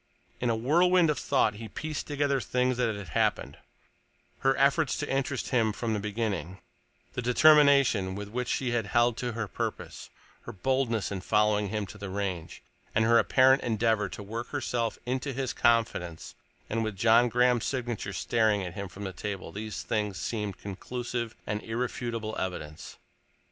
In a whirlwind of thought he pieced together things that had happened: her efforts to interest him from the beginning, the determination with which she had held to her purpose, her boldness in following him to the Range, and her apparent endeavor to work herself into his confidence—and with John Graham's signature staring at him from the table these things seemed conclusive and irrefutable evidence.